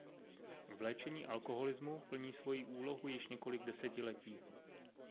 V léčení alkoholismu plní svoji úlohu již několik desetiletí.